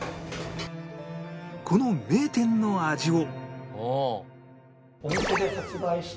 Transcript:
この名店の味を